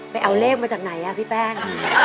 ไปเอาเลขมาจากไหนอ่ะพี่แป้ง